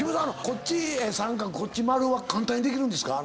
こっち三角こっち丸は簡単にできるんですか？